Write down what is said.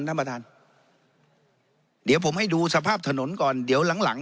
ท่านประธานเดี๋ยวผมให้ดูสภาพถนนก่อนเดี๋ยวหลังหลัง